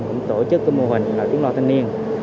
cũng tổ chức mô hình tiếng loa thanh niên